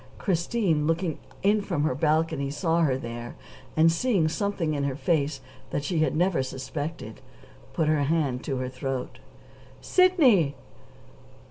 Christine, looking in from her balcony, saw her there, and, seeing something in her face that she had never suspected, put her hand to her throat. "Sidney!"